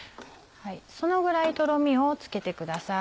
そのぐらいとろみをつけてください。